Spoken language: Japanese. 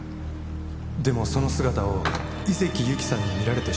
「でもその姿を井関ゆきさんに見られてしまったんです」